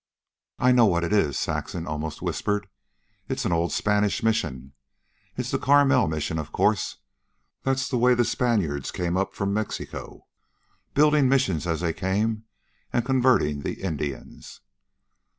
"I know what it is," Saxon almost whispered. "It's an old Spanish Mission. It's the Carmel Mission, of course. That's the way the Spaniards came up from Mexico, building missions as they came and converting the Indians."